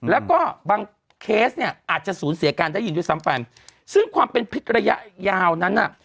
แล้วก็บางเคสเนี่ยอาจจะสูญเสียการได้ยินด้วยซ้ำไปซึ่งความเป็นพิษระยะยาวนั้นน่ะ